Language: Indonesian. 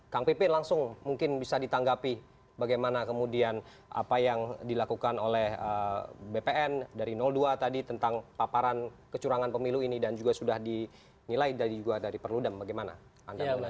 kang pipin langsung mungkin bisa ditanggapi bagaimana kemudian apa yang dilakukan oleh bpn dari dua tadi tentang paparan kecurangan pemilu ini dan juga sudah dinilai juga dari perludem bagaimana anda melihatnya